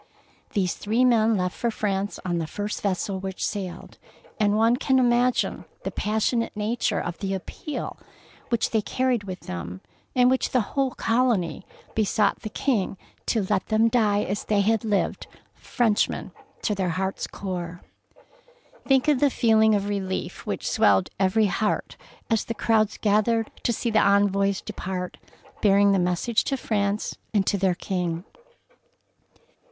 These three men left for France on the first vessel which sailed, and one 194 THE PEARL NECKLACE can imagine the passionate nature of the appeal which they carried with them, in which the whole colony be sought the King to let them die as they had lived, — Frenchmen to their hearts' core. Think of the feeling of relief which swelled every heart as the crowds gathered to see the envoys depart bearing the message to Prance and to their King!